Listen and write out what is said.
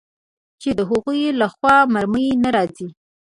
چې د هغوى له خوا مرمۍ نه راځي.